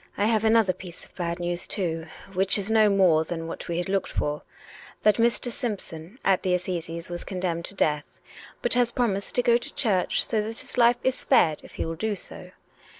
" I have another piece of bad news, too — which is no more than what we had looked for: that Mr. Simpson at the Assizes was condemned to death, but has promised to go to church, so that his life is spared if he will do so.